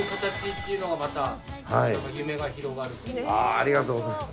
ありがとうございます。